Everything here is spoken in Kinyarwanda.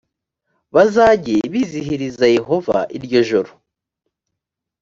bazajye bizihiriza yehova iryo joro